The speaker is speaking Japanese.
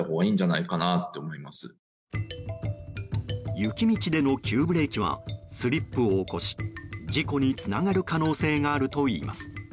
雪道での急ブレーキはスリップを起こし事故につながる可能性があるといいます。